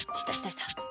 した？